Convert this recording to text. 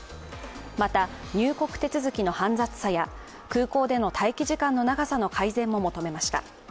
また、入国手続の煩雑さや空港での待機時間の長さの改善も求めました。